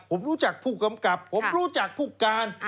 ผมรู้จักผู้กำกับผมรู้จักผู้การ